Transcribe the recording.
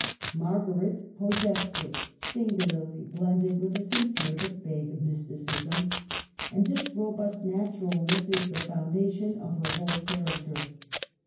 Margaret possessed it, singularly blended with a sincere but vague mysticism. And this robust naturalness is the foundation of her whole character.